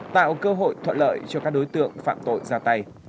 tạo cơ hội thuận lợi cho các đối tượng phạm tội ra tay